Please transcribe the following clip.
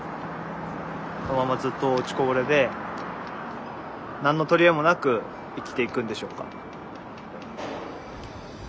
このままずっと落ちこぼれで何の取り柄もなく生きていくんでしょうか。